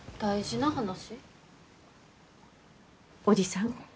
おじさん